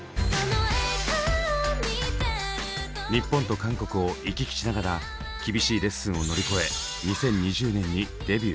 日本と韓国を行き来しながら厳しいレッスンを乗り越え２０２０年にデビュー。